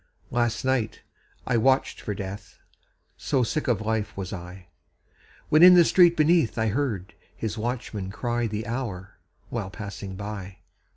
Last night I watched for Death So sick of life was I! When in the street beneath I heard his watchman cry The hour, while passing by.